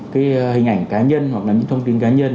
cái hình ảnh cá nhân hoặc là những thông tin cá nhân